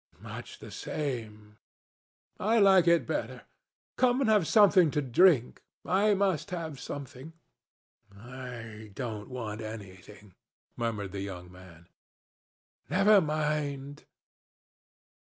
"Much the same." "I like it better. Come and have something to drink. I must have something." "I don't want anything," murmured the young man. "Never mind."